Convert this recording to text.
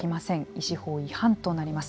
医師法違反となります。